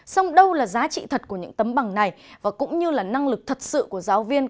xong đâu là giá trị thật của những tấm bằng này và cũng như là năng lực thật sự của giáo viên